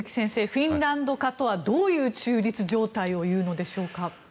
フィンランド化とはどういう中立状態を言うのでしょうか。